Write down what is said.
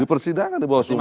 di persidangan di bawah semua